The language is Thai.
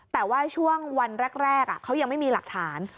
แต่ว่าช่วงวันแรกเขายังไม่มีหลักฐาน